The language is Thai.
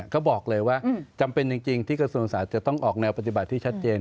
เขาบอกเลยว่าจำเป็นจริงที่กระทรวงศาสตร์จะต้องออกแนวปฏิบัติที่ชัดเจน